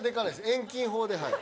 遠近法ではい。